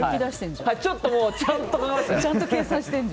ちょっとちゃんとしました。